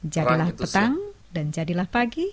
jadilah petang dan jadilah pagi